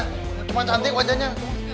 cuma cantik wajahnya